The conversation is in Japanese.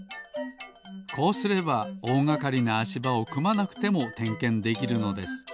こうすればおおがかりなあしばをくまなくてもてんけんできるのです。